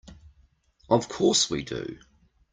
Of course we do.